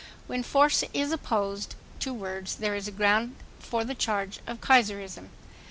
When force is opposed to words there is ground for the charge of "Kaiserism."